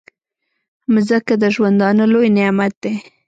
مځکه د ژوندانه لوی نعمت دی.